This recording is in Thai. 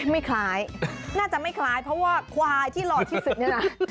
ไม่คล้ายน่าจะไม่คล้ายเพราะว่าควายที่หล่อที่สุดเนี่ยนะ